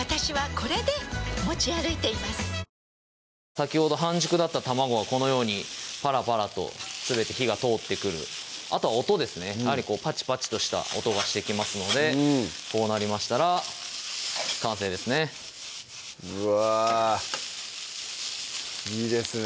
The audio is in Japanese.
先ほど半熟だった卵がこのようにパラパラとすべて火が通ってくるあとは音ですねパチパチとした音がしてきますのでこうなりましたら完成ですねうわいいですね